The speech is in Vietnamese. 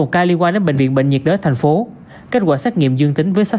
một ca liên quan đến bệnh viện bệnh nhiệt đới tp hcm kết quả xét nghiệm dương tính với sars cov